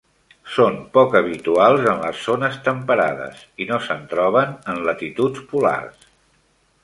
Són poc habituals en les zones temperades i no se'n troben en latituds polars.